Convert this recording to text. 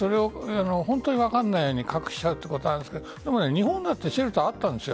分からないように隠しちゃうということなんですが日本だってシェルターあったんです。